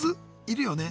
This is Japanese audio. いるよね？